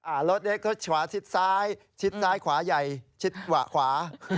อ่ารถเล็กชิดขวาชิดซ้ายชิดซ้ายขวาใหญ่ชิดขวา